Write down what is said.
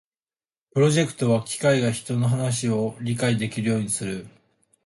プロジェクトは機械が人の話を理解できるようにする